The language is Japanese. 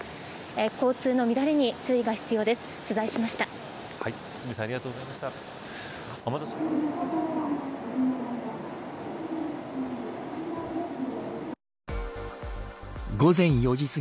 交通の乱れに注意が必要です。